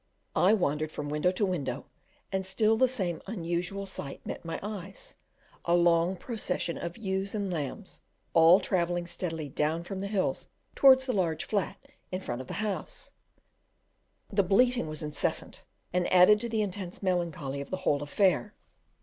I wandered from window to window, and still the same unusual sight met my eyes; a long procession of ewes and lambs, all travelling steadily down from the hills towards the large flat in front of the house; the bleating was incessant, and added to the intense melancholy of the whole affair.